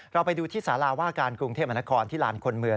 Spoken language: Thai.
เราไปดูที่สาราว่าการกรุงเทพมนาคมที่ลานคนเมือง